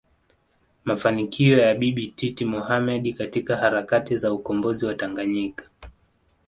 mafanikio ya Bibi Titi Mohamed katika harakati za ukombozi wa Tanganyika